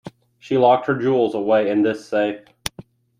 She locked her jewels away in this safe.